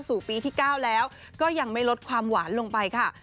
สู่ปีที่๙แล้วก็ยังไม่ลดความหวานลงไปค่ะ